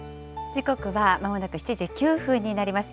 時刻はまもなく７時９分になります。